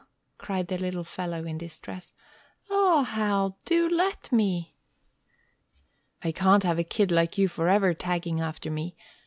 cried the little fellow, in distress. "Aw, Hal, do let me!" "I can't have a kid like you forever tagging after me.